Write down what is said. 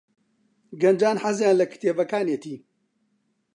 گەنجان حەزیان لە کتێبەکانیەتی.